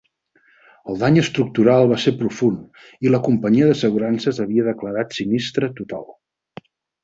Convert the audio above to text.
El dany estructural va ser profund, i la companyia d'assegurances havia declarat sinistre total.